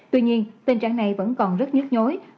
tuy nhiên tình trạng này vẫn còn rất nhức nhối